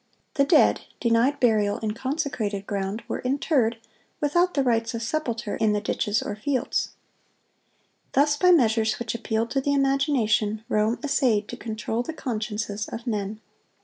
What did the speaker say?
The dead, denied burial in consecrated ground, were interred, without the rites of sepulture, in the ditches or the fields. Thus by measures which appealed to the imagination, Rome essayed to control the consciences of men.